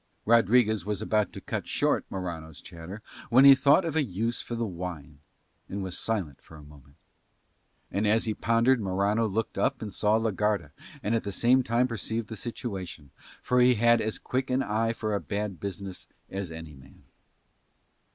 Rodriguez was about to cut short Morano's chatter when he thought of a use for the wine, and was silent a moment. And as he pondered Morano looked up and saw la Garda and at the same time perceived the situation, for he had as quick an eye for a bad business as any man.